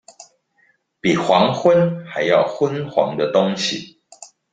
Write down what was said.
比黃昏還要昏黃的東西